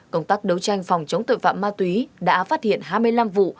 công tác đấu tranh phòng chống tội phạm ma túy đã phát hiện hai mươi năm vụ